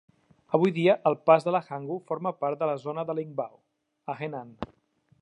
Avui dia, el pas de Hangu forma part de la zona de Lingbao, a Henan.